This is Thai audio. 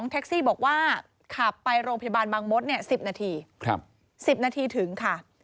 แท็กซี่บอกว่าขับไปโรงพยาบาลบางมด๑๐นาที๑๐นาทีถึงค่ะ